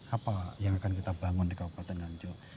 apa yang akan kita bangun di kabupaten nganjuk